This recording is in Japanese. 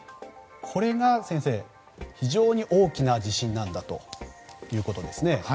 これが先生、非常に大きな地震だということですね。